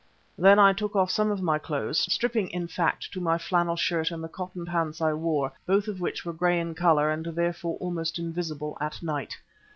Then I took off some of my clothes, stripping in fact to my flannel shirt and the cotton pants I wore, both of which were grey in colour and therefore almost invisible at night.